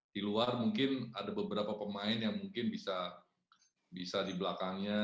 di luar mungkin ada beberapa pemain yang mungkin bisa di belakangnya